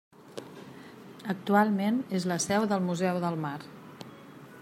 Actualment és la seu del Museu del Mar.